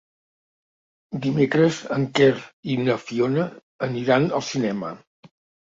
Dimecres en Quer i na Fiona aniran al cinema.